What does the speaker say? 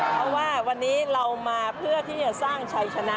เพราะว่าวันนี้เรามาเพื่อที่จะสร้างชัยชนะ